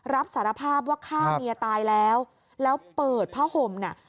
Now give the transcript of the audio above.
รับสารภาพว่าฆ่าเมียตายแล้วแล้วเปิดผ้าห่มเนี่ย